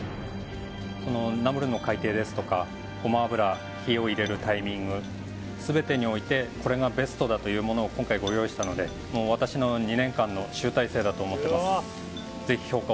このナムルの改定ですとかごま油火を入れるタイミング全てにおいてこれがベストだというものを今回ご用意したので私の２年間の集大成だと思ってます